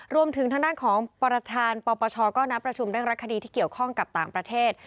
รวมถึงทางด้านของประธานปปชก็นัดประชุมเร่งรักคดีที่เกี่ยวข้องกับต่างประเทศ